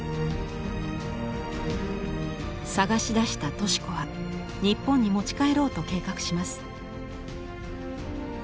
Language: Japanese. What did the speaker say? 捜し出した敏子は日本に持ち帰ろうと計画します。